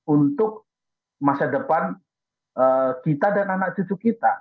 untuk masa depan kita dan anak cucu kita